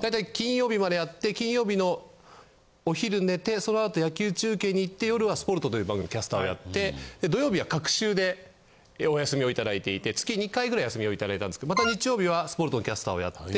大体金曜日までやって金曜日のお昼寝てそのあと野球中継に行って夜は『すぽると！』という番組のキャスターをやって土曜日は隔週でお休みをいただいていて月２回ぐらい休みをいただいたんですけどまた日曜日は『すぽると！』のキャスターをやって。